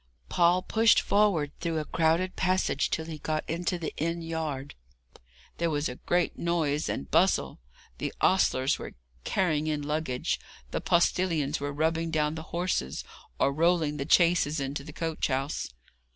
Paul pushed forward through a crowded passage till he got into the inn yard. There was a great noise and bustle. The ostlers were carrying in luggage; the postillions were rubbing down the horses, or rolling the chaises into the coach house.